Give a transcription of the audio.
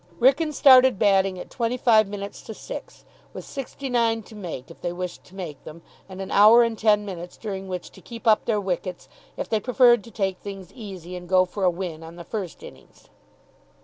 Wrykyn started batting at twenty five minutes to six, with sixty nine to make if they wished to make them, and an hour and ten minutes during which to keep up their wickets if they preferred to take things easy and go for a win on the first innings.